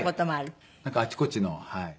なんかあちこちのはい。